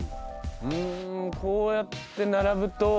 うんこうやって並ぶと。